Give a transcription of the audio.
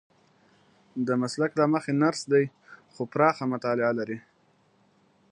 د مسلک له مخې نرس دی خو پراخه مطالعه لري.